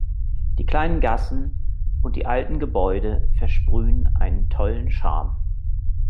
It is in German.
Die kleinen Gassen und die alten Gebäude versprühen einen tollen Charme.